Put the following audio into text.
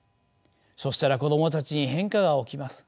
そしたら子どもたちに変化が起きます。